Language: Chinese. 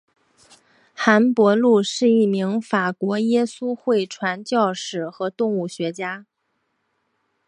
韩伯禄是一名法国耶稣会传教士和动物学家。